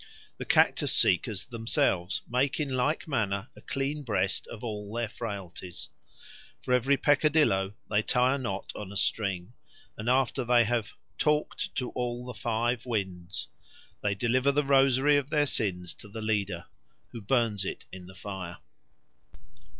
The cactus seekers themselves make in like manner a clean breast of all their frailties. For every peccadillo they tie a knot on a string, and after they have "talked to all the five winds" they deliver the rosary of their sins to the leader, who burns it in the fire.